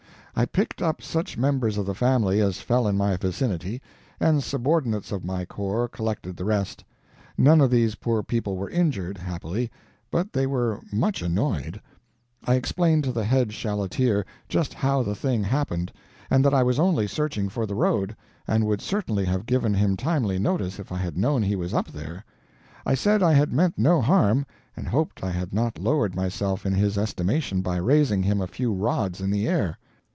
I picked up such members of the family as fell in my vicinity, and subordinates of my corps collected the rest. None of these poor people were injured, happily, but they were much annoyed. I explained to the head chaleteer just how the thing happened, and that I was only searching for the road, and would certainly have given him timely notice if I had known he was up there. I said I had meant no harm, and hoped I had not lowered myself in his estimation by raising him a few rods in the air.